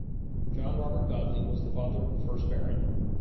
John Robert Godley was the father of the first Baron.